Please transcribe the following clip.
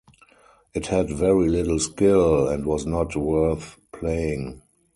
It had very little skill, and was not worth playing.